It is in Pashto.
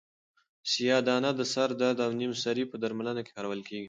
سیاه دانه د سر د درد او نیم سری په درملنه کې کارول کیږي.